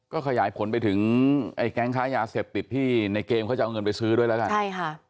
ก็ขยายผลไปถึงไอ้แก๊งค้ายาเสพติดที่ในเกมเขาจะเอาเงินไปซื้อด้วยแล้วกันใช่ค่ะ